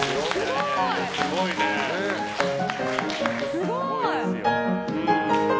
すごーい！